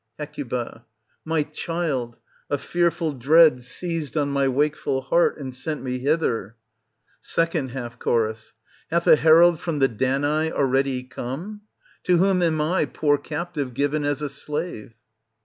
Hec. My child, a fearfril dread ^ seized on my wakeful heart and sent me hither. 2ND Half Cho. Hath a herald from the Danai aheady come ? To whom am I, poor captive, given as a slave